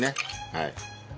はい。